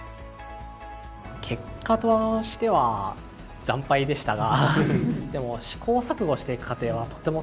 結果としては惨敗でしたがでも試行錯誤していく過程はとても楽しかったですね。